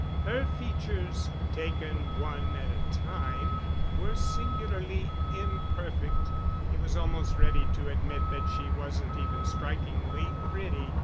Her features, taken one at a time, were singularly imperfect. He was almost ready to admit that she wasn't even strikingly pretty.